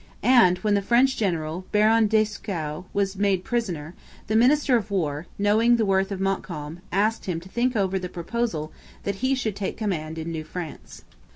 And, when the French general, Baron Dieskau, was made prisoner, the minister of War, knowing the worth of Montcalm, asked him to think over the proposal that he should take command in New France.